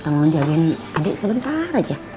kamu jalin adik sebentar aja